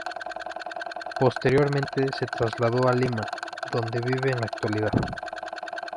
Posteriormente, se trasladó a Lima, donde vive en la actualidad.